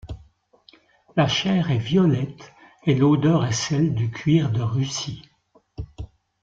La chair est violette et l'odeur est celle du cuir de Russie.